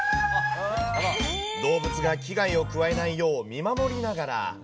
動物が危害を加えないよう、見守りながら。